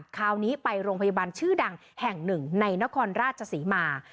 คราวนี้ไปโรงพยาบาลชื่อดังแห่งหนึ่งในนครราชศรีมา